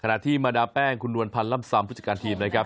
ขณะที่มาดามแป้งคุณนวลพันธ์ล่ำซำผู้จัดการทีมนะครับ